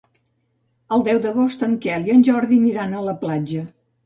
El deu d'agost en Quel i en Jordi aniran a la platja.